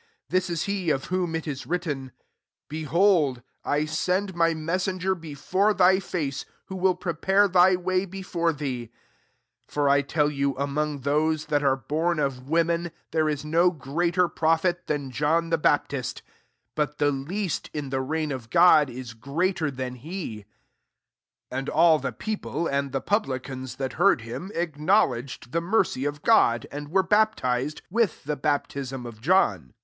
This is he of whom it is < Behold, I send my iger before thy face ; who prepare thy way before ^^ as For I tell you, Among that are bom of women, is no greater [prophet] I John [the Baptist :] but the in the reign of God is ater than he. ^ And all the people, and publicans, that heard Aim, >wledged the mercy qf ^and were baptized, with [baptism of John.